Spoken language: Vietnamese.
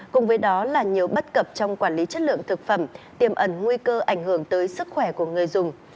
cùng với đó là nhiều bất cập trong quản lý chất lượng thực phẩm tiêm ẩn nguy cơ ảnh hưởng tới sức khỏe của người dùng